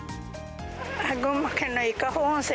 群馬県の伊香保温泉